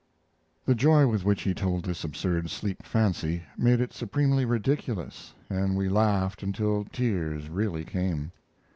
The joy with which he told this absurd sleep fancy made it supremely ridiculous and we laughed until tears really came.